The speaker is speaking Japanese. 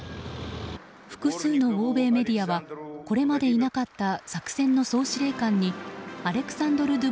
複数の欧米メディアはこれまでいなかった作戦の総司令官にアレクサンドル